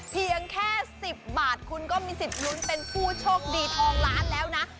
เพียงแค่๑๐บาทคุณก็มีสิทธิ์ลุ้นเป็นผู้โชคดีทองล้านแล้วนะ